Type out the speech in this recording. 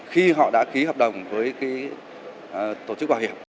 khi họ đã ký hợp đồng với tổ chức bảo hiểm